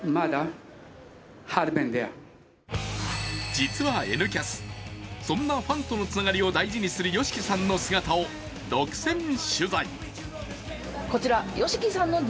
実は「Ｎキャス」、そんなファンとのつながりを大事にするＹＯＳＨＩＫＩさんの姿を独占取材。